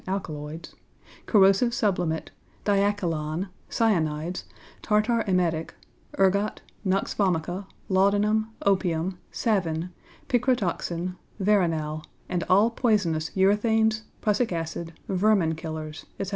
alkaloids), corrosive sublimate, diachylon, cyanides, tartar emetic, ergot, nux vomica, laudanum, opium, savin, picrotoxin, veronal and all poisonous urethanes, prussic acid, vermin killers, etc.